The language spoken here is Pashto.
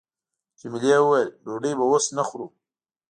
جميلې وويل:، ډوډۍ به اوس نه خورو.